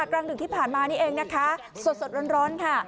กลางดึกที่ผ่านมานี่เองนะคะสดร้อนค่ะ